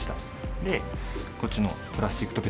で、こっちのプラスチックとペッ